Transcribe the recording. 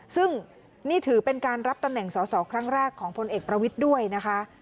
ซึ่งนี่ถือเป็นการรับตำแหน่งสอสอครั้งแรกของพลเอกประวิทย์ด้วยนะคะ